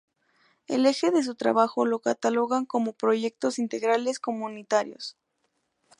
El eje de su trabajo lo catalogan como Proyectos Integrales Comunitarios.